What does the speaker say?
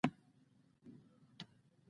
ځغاسته د غمونو د کمېدو لامل کېږي